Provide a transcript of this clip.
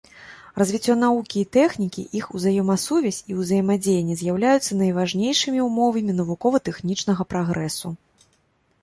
Развіццё навукі і тэхнікі, іх узаемасувязь і ўзаемадзеянне з'яўляюцца найважнейшымі ўмовамі навукова-тэхнічнага прагрэсу.